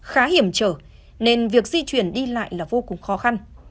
khá hiểm trở nên việc di chuyển đi lại là vô cùng khó khăn